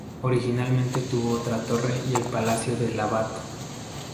Originalmente tuvo otra torre y el palacio del abad.